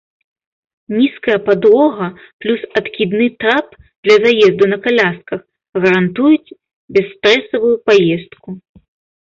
Нізкая падлога плюс адкідны трап для заезду на калясках гарантуюць бясстрэсавую паездку.